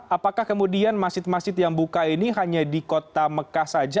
apakah kemudian masjid masjid yang buka ini hanya di kota mekah saja